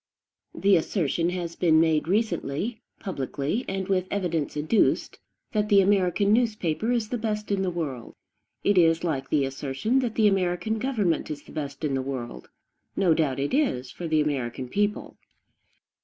The assertion has been made recently, publicly, and with evidence adduced, that the American newspaper is the best in the world. It is like the assertion that the American government is the best in the world; no doubt it is, for the American people.